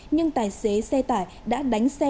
nhưng tài xế xe tải đã đánh xe